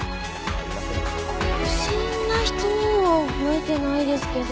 不審な人は覚えてないですけど。